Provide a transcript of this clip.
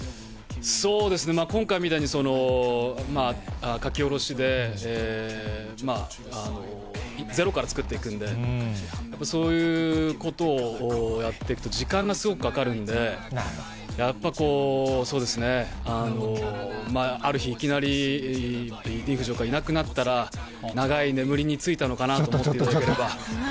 そうですね、今回みたいに書き下ろしで、ゼロから作っていくんで、やっぱそういうことをやっていくと時間がすごくかかるんで、やっぱこう、そうですね、ある日いきなりディーン・フジオカがいなくなったら、長い眠りについたのかなと思っていただければ。